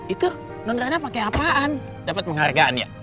itu nondrana pake apaan dapat penghargaan ya